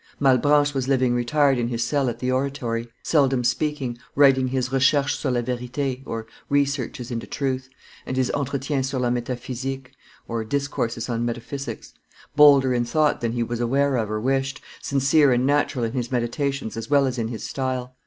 Malebranche was living retired in his cell at the Oratory, seldom speaking, writing his Recherches sur la Verite (Researches into Truth), and his Entretiens sur la Metaphysique (Discourses on Metaphysics), bolder in thought than he was aware of or wished, sincere and natural in his meditations as well as in his style.